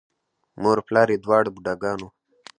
مور و پلار یې دواړه بوډاګان وو،